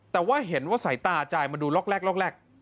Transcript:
แต่ก็เห็นว่าสายตาจายมาดูหลอกแรก